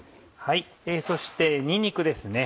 そしてにんにくですね。